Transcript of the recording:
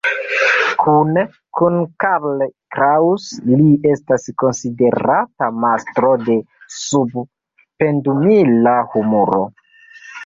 Kune kun Karl Kraus, li estas konsiderata mastro de "sub-pendumila humuro".